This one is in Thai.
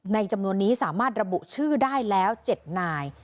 จำนวนนี้สามารถระบุชื่อได้แล้ว๗นาย